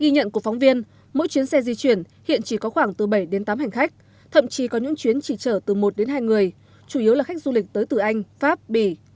ghi nhận của phóng viên mỗi chuyến xe di chuyển hiện chỉ có khoảng từ bảy đến tám hành khách thậm chí có những chuyến chỉ chở từ một đến hai người chủ yếu là khách du lịch tới từ anh pháp bỉ